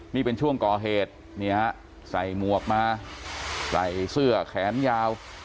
นี่เป็นช่วงก่อเหตุนี่ฮะใส่หมวกมาใส่เสื้อแขนยาว